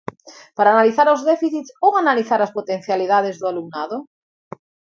¿Para analizar os déficits ou analizar as potencialidades do alumnado?